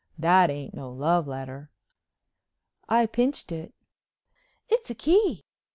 "That ain't no love letter." I pinched it. "It's a key.